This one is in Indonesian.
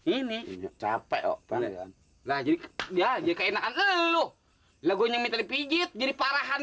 ini capek lalu dia jika enakan lalu lagunya minta dipijit jadi parahan